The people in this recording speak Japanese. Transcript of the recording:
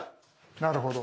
なるほど。